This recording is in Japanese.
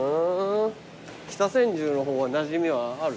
北千住の方はなじみはある？